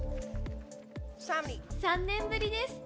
３年ぶりです。